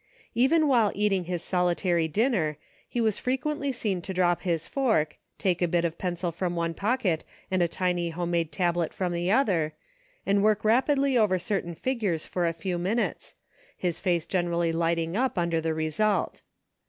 Even while eating his solitary dinner, he was frequently seen to drop his fork, take a bit of pencil from one pocket and a tiny home made tab let from the other, and work rapidly over certain figures for a few minutes, his face generally light ing up under the result.